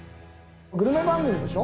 グルメ番組でしょ？